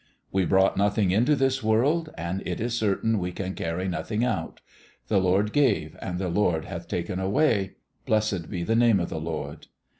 We brought nothing into this world, and it is certain we can carry nothing out. The Lord gave, and the Lord hath taken away ; blessed be the name of the Lord.